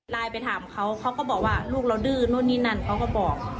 ไปถามเขาเขาก็บอกว่าลูกเราดื้อนู่นนี่นั่นเขาก็บอก